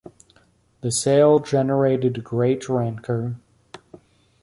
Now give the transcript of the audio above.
The sale generated great rancor.